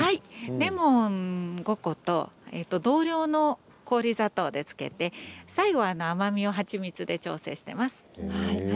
レモン５個と同量の氷砂糖で漬けて、最後は甘みを蜂蜜で調節しています。